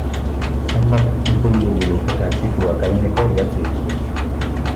Hainbat ipuin liburu eta artikulu akademiko idatzi ditu.